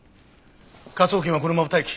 科捜研はこのまま待機。